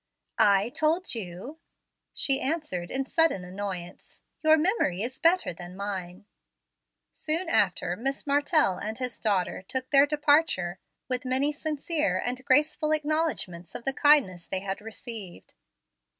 "I told you?" she answered in sudden annoyance; "your memory is better than mine." Soon after, Mr. Martell and his daughter took their departure, with many sincere and graceful acknowledgments of the kindness they had received.